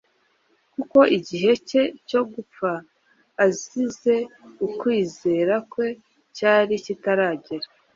kuko igihe cye cyo gupfa azize ukwizera kwe cyari kitaragera.